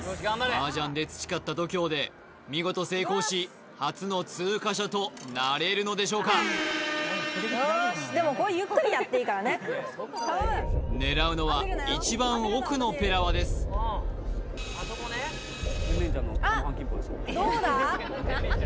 マージャンで培った度胸で見事成功し初の通過者となれるのでしょうかよしゆっくりやっていいからね狙うのは一番奥のペラ輪ですあっどうだ？